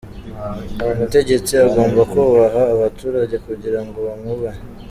Umutegetsi agomba kubaha abaturage kugira ngo bamwubahe.